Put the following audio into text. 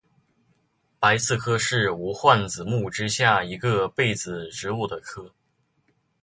白刺科是无患子目之下一个被子植物的科。